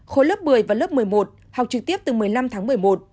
khối lớp một mươi và lớp một mươi một học trực tiếp từ một mươi năm tháng một mươi một